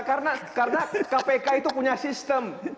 karena kpk itu punya sistem